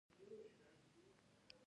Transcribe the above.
د خپلو تېروتنو څخه عبرت واخلئ.